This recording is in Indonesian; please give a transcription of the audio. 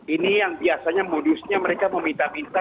ini yang biasanya modusnya mereka meminta minta